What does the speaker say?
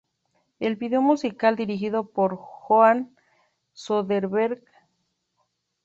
El video musical dirigido por Johan Söderberg.